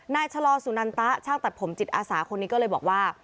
ชะลอสุนันตะช่างตัดผมจิตอาสาคนนี้ก็เลยบอกว่า